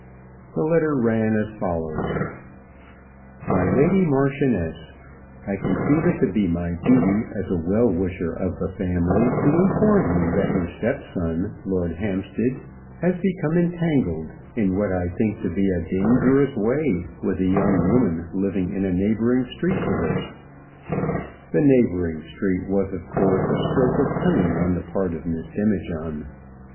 The letter ran as follows: MY LADY MARCHIONESS I conceive it to be my duty as a well wisher of the family to inform you that your stepson, Lord Hampstead, has become entangled in what I think to be a dangerous way with a young woman living in a neighbouring street to this. The "neighbouring" street was of course a stroke of cunning on the part of Miss Demijohn.